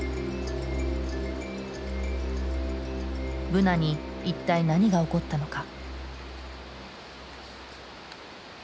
ブナに一体何が起こったのか？